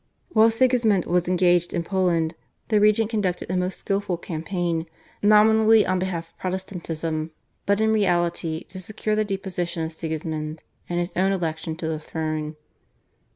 While Sigismund was engaged in Poland, the regent conducted a most skilful campaign, nominally on behalf of Protestantism, but in reality to secure the deposition of Sigismund and his own election to the throne.